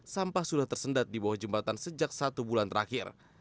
sampah sudah tersendat di bawah jembatan sejak satu bulan terakhir